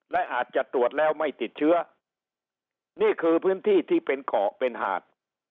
และอาจจะตรวจแล้วไม่ติดเชื้อนี่คือพื้นที่ที่เป็นเกาะเป็นหาด